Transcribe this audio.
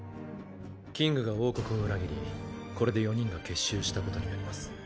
キングが王国を裏切りこれで四人が結集したことになります。